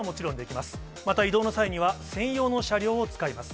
また、移動の際には、専用の車両を使います。